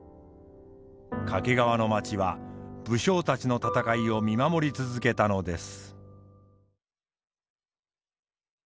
掛川の街は武将たちの戦いを見守り続けたのです。